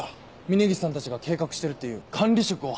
峰岸さんたちが計画してるっていう管理職を半分。